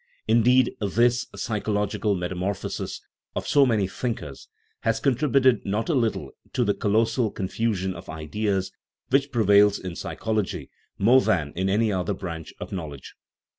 Indeed, this " psychological metamorphosis " of so many thinkers has contributed not a little to the colos sal confusion of ideas which prevails in psychology more than in any other branch of knowledge.